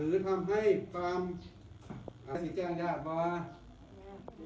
อืมไม่ถ่ายเอาไว้ขับออกไป